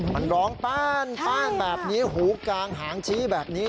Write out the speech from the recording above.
มันร้องป้านแบบนี้หูกลางหางชี้แบบนี้